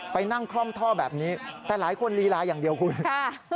ไปนั่งคล่อมท่อแบบนี้แต่หลายคนลีลาอย่างเดียวคุณค่ะ